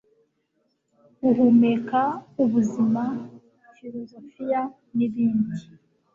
guhumeka, ubuzima, filozofiya, nibindi